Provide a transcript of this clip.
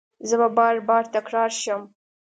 زه به بار، بار تکرار شم